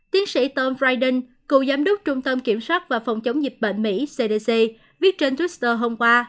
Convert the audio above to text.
tiến sĩ tom fridan cựu giám đốc trung tâm kiểm soát và phòng chống dịch bệnh mỹ cdc viết trên twitter hôm qua